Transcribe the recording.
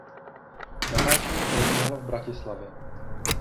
Natáčení probíhalo v Bratislavě.